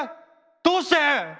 どうして？